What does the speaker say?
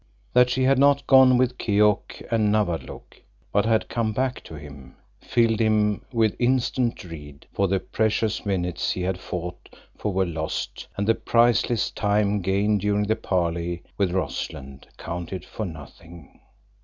That she had not gone with Keok and Nawadlook, but had come back to him, filled him with instant dread, for the precious minutes he had fought for were lost, and the priceless time gained during the parley with Rossland counted for nothing.